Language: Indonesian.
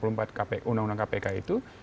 empat puluh empat undang undang kpk itu